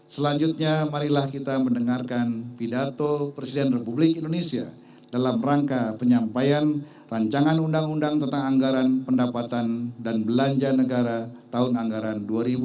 selanjutnya marilah kita mendengarkan pidato presiden republik indonesia dalam rangka penyampaian rancangan undang undang tentang anggaran pendapatan dan belanja negara tahun anggaran dua ribu dua puluh